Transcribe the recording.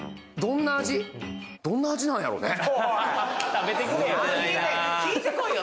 食べてくれよ